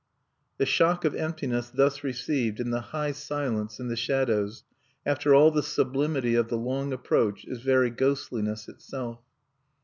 The shock of emptiness thus received, in the high silence and the shadows, after all the sublimity of the long approach, is very ghostliness itself.